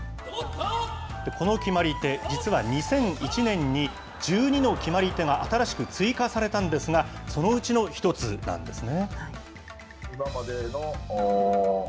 この決まり手、実は２００１年に、１２の決まり手が新しく追加されたんですが、そのうちの一つなんですね。